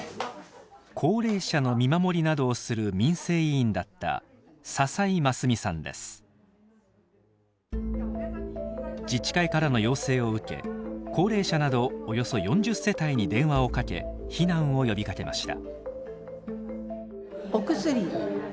高齢者の見守りなどをする民生委員だった自治会からの要請を受け高齢者などおよそ４０世帯に電話をかけ避難を呼びかけました。